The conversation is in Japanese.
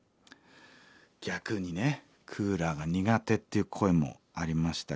逆にねクーラーが苦手っていう声もありましたけどもどうですか？